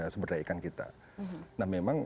seberda ikan kita nah memang